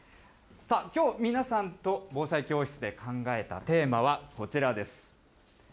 きょう、皆さんと防災教室で考えたテーマはこちらです。